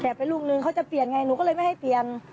ไปลูกนึงเขาจะเปลี่ยนไงหนูก็เลยไม่ให้เปลี่ยน